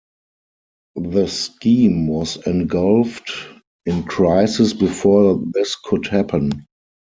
The scheme was engulfed in crisis before this could happen.